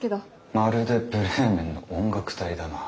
まるでブレーメンの音楽隊だな。